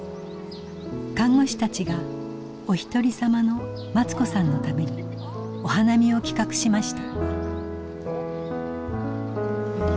看護師たちがおひとりさまのマツ子さんのためにお花見を企画しました。